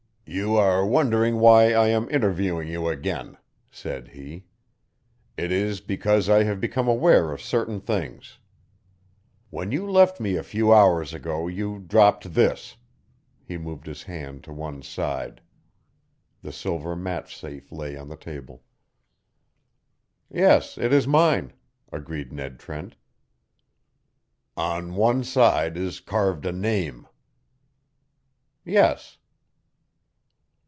"You are wondering why I am interviewing you again," said he. "It is because I have become aware of certain things. When you left me a few hours ago you dropped this." He moved his hand to one side. The silver match safe lay on the table. "Yes, it is mine," agreed Ned Trent. "On one side is carved a name." "Yes."